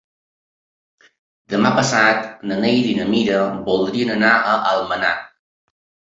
Demà passat na Neida i na Mira voldrien anar a Almenar.